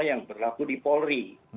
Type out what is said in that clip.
yang berlaku di polri